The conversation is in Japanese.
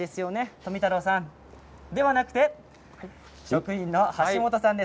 富太郎さんではなくて職員の橋本さんです。